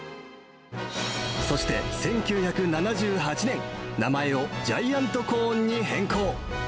そして、１９７８年、名前をジャイアントコーンに変更。